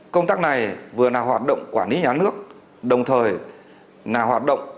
công tác này vừa là hoạt động quản lý nhà nước đồng thời là hoạt động